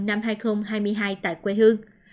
năm hai nghìn hai mươi hai tại quê hương